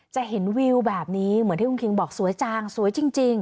จะเห็นวิวแบบนี้เหมือนที่คุณคิงบอกสวยจังสวยจริง